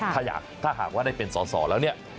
ถ้าอยากถ้าหากว่าได้เป็นส่อแล้วเนี่ย